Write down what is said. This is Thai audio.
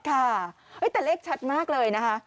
ค่ะแต่เลขชัดมากเลยนะคะ